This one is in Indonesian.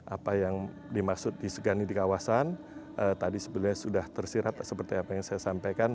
apa yang dimaksud disegani di kawasan tadi sebenarnya sudah tersirat seperti apa yang saya sampaikan